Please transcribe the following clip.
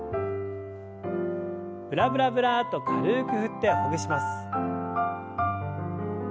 ブラブラブラッと軽く振ってほぐします。